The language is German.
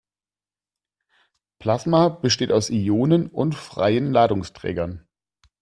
Plasma besteht aus Ionen und freien Ladungsträgern.